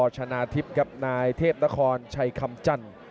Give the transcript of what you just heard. ชนะทิพย์ครับนายเทพนครชัยคำจันทร์